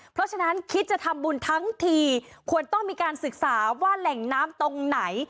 เพราะฉะนั้นคิดจะทำบุญทั้งทีควรต้องมีการศึกษาว่าแหล่งน้ำตรงไหน